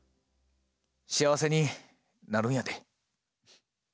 幸せになるんやで。